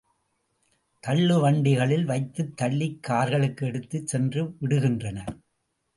தள்ளுவண்டிகளில் வைத்துத் தள்ளிக் கார்களுக்கு எடுத்துச் சென்று விடுகின்றனர்.